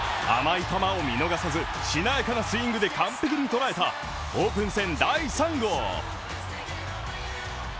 甘い球を見逃さず、しなやかなスイングで完璧に捉えたオープン戦第３号。